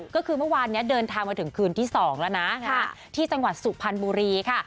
ก็คือเมื่อวานนี้เดินทางมาถึงคืนที่๒แล้วนะที่จังหวัดสุพรรณบุรีค่ะ